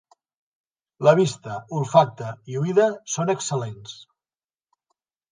La vista, olfacte i oïda són excel·lents.